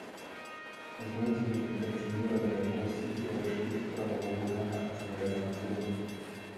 Знойдзены кальцыніраваныя косці і рэшткі прамавугольнага згарэлага зруба.